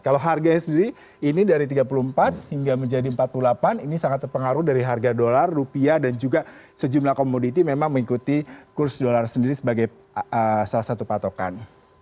kalau harganya sendiri ini dari tiga puluh empat hingga menjadi empat puluh delapan ini sangat terpengaruh dari harga dolar rupiah dan juga sejumlah komoditi memang mengikuti kurs dolar sendiri sebagai salah satu patokan